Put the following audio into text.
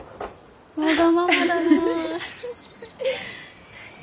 わがままだなあ。